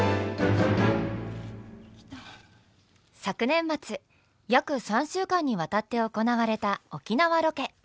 昨年末約３週間にわたって行われた沖縄ロケ。